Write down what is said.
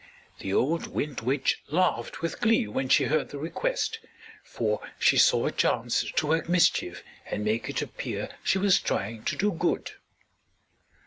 The old Wind Witch laughed with glee when she heard the request, for she saw a chance to work mischief and make it appear she was trying to do good.